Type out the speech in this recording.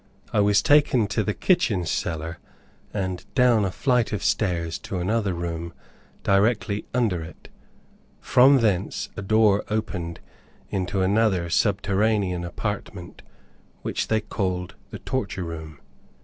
I was taken into the kitchen cellar, and down a flight of stairs to another room directly under it. From thence, a door opened into another subterranean apartment which they called the torture room.